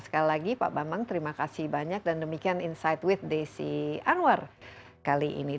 sekali lagi pak bambang terima kasih banyak dan demikian insight with desi anwar kali ini